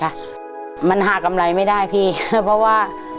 ขายปลาอยู่ข้างถนนค่ะมันหากำไรไม่ได้พี่เพราะว่า